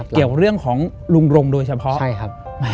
เกี่ยวเรื่องของลุงลงโดยเฉพาะ